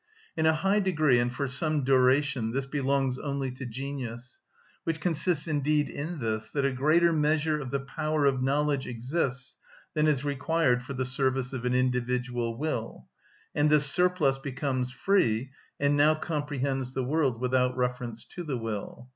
In a high degree, and for some duration, this belongs only to genius, which consists indeed in this, that a greater measure of the power of knowledge exists than is required for the service of an individual will, and this surplus becomes free, and now comprehends the world without reference to the will.